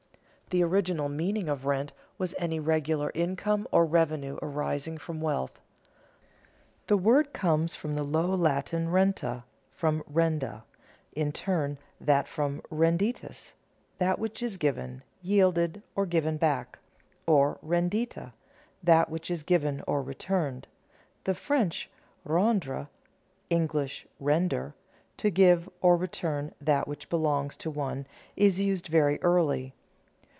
_ The original meaning of rent was any regular income or revenue arising from wealth. The word comes from the low Latin renta from renda, in turn from redditus, that which is given, yielded or given back, or rendita, that which is given or returned. The French rendre (English render), to give or return that which belongs to one, is used very early.